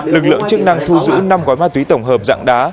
lực lượng chức năng thu giữ năm gói ma túy tổng hợp dạng đá